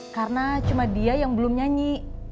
karena cuma dia yang belum nyanyi